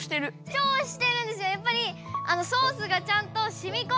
ちょうしてるんですよ。